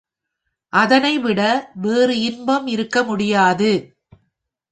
அதனைவிட வேறு இன்பம் இருக்க முடியாது.